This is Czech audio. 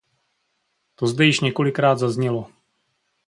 To zde již několikrát zaznělo.